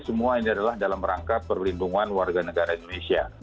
semua ini adalah dalam rangka perlindungan warga negara indonesia